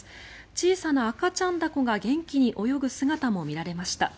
小さな赤ちゃんダコが元気に泳ぐ姿も見られました。